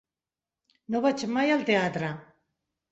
No vaig mai al teatre.